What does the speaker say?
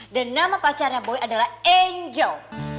dan nama pacarnya boy adalah angel